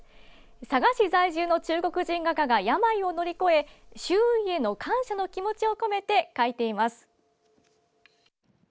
佐賀市在住の中国人画家が病を乗り越え周囲への感謝の気持ちを込めて描いています。